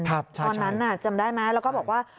ตอนนั้นจำได้ไหมแล้วก็บอกว่า